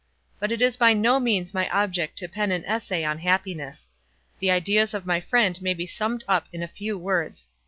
But it is by no means my object to pen an essay on happiness. The ideas of my friend may be summed up in a few words.